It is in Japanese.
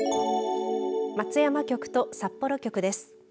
松山局と札幌局です。